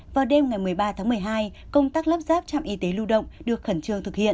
vào đêm ngày một mươi ba tháng một mươi hai công tác lắp ráp trạm y tế lưu động được khẩn trương thực hiện